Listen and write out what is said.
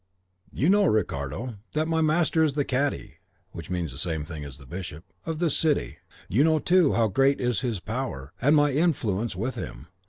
"You know, Ricardo, that my master is the cadi (which is the same thing as the bishop) of this city. You know, too, how great is his power, and my influence with him.